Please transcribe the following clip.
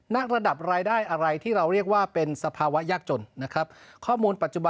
นักระดับรายได้อะไรที่เราเรียกว่าเป็นสภาวะยากจนนะครับ